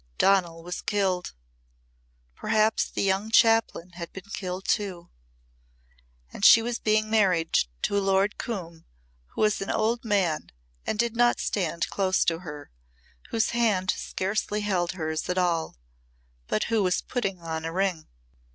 Donal was killed! Perhaps the young chaplain had been killed too. And she was being married to Lord Coombe who was an old man and did not stand close to her, whose hand scarcely held hers at all but who was putting on a ring.